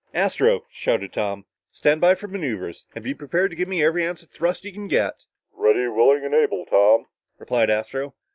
"Astro," shouted Tom, "stand by for maneuver and be prepared to give me every ounce of thrust you can get!" "Ready, willing and able, Tom," replied Astro.